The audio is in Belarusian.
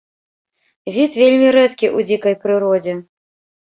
Від вельмі рэдкі ў дзікай прыродзе.